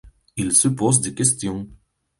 Il se pose des questions.